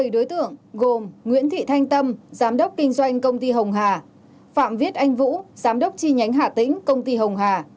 bảy đối tượng gồm nguyễn thị thanh tâm giám đốc kinh doanh công ty hồng hà phạm viết anh vũ giám đốc chi nhánh hà tĩnh công ty hồng hà